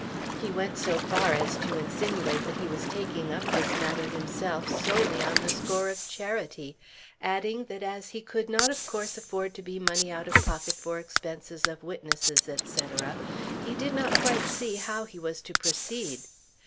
He went so far as to insinuate that he was taking up this matter himself solely on the score of charity, adding that as he could not of course afford to be money out of pocket for expenses of witnesses, &c., he did not quite see how he was to proceed.